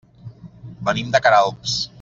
Venim de Queralbs.